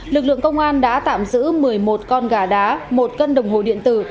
lực lượng công an đã tạm giữ một mươi một con gà đá một cân đồng hồ điện tử